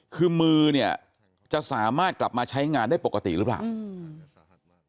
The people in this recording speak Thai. คือมือเนี่ยจะสามารถกลับมาใช้งานได้ปกติหรือเปล่าอืม